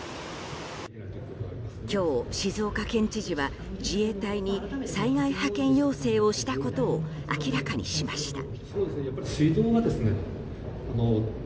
今日、静岡県知事は自衛隊に災害派遣要請をしたことを明らかにしました。